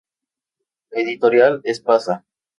Editorial Espasa